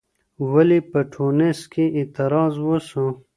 ولي په ټونس کي اعتراض وسو؟